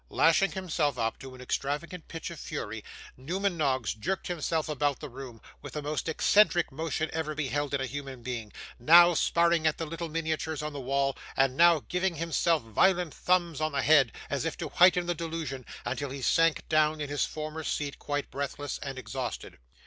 Lashing himself up to an extravagant pitch of fury, Newman Noggs jerked himself about the room with the most eccentric motion ever beheld in a human being: now sparring at the little miniatures on the wall, and now giving himself violent thumps on the head, as if to heighten the delusion, until he sank down in his former seat quite breathless and exhausted.